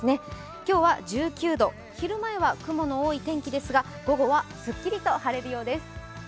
今日は１９度、昼前は雲の多い天気ですが午後はすっきりと晴れるようです。